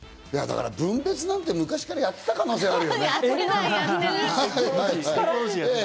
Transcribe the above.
分別なんて昔からやってた可能性あるよね。